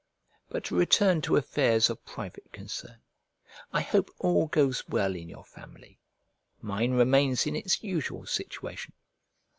But to return to affairs of private concern: I hope all goes well in your family; mine remains in its usual situation.